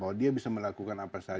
oh dia bisa melakukan apa saja